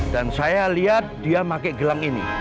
dan saya liat dia pakai gelang ini